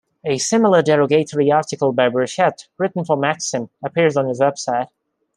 A similar derogatory article by Burchette written for "Maxim" appears on his website.